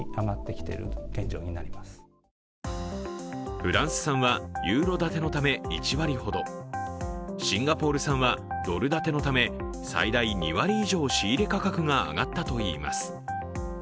フランス産はユーロ建てのため１割ほど、シンガポール産はドル建てのため最大２割以上仕入れ価格が上がったといいます。